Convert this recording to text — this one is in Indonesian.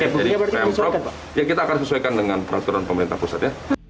jadi pm prop yang kita akan sesuaikan dengan peraturan pemerintah pusat